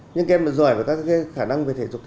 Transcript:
nhưng các em mà giỏi về các cái khả năng về thể dục